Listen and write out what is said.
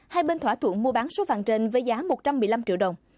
hai bên thỏa thuận mua bán số vàng trên với giá một trăm một mươi năm triệu đồng